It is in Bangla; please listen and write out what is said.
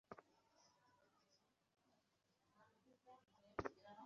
তাঁর একজন জীবনীকার আবদুল্লাহ আল-মূতী তাঁকে যথার্থই রেনেসাঁ-পুরুষ বলে আখ্যায়িত করেছেন।